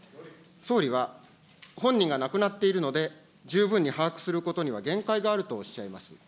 総理は、本人が亡くなっているので、十分に把握することには限界があるとおっしゃいます。